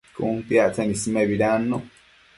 Cun piactsen ismebidannu